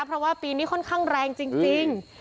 เพราะว่าปีนี้ค่อนข้างแรงจริง